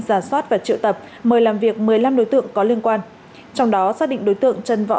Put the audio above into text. giả soát và triệu tập mời làm việc một mươi năm đối tượng có liên quan trong đó xác định đối tượng trần võ